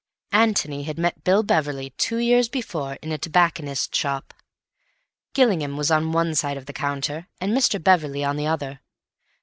Antony had met Bill Beverley two years before in a tobacconist's shop. Gillingham was on one side of the counter and Mr. Beverley on the other.